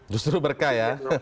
justru berkah ya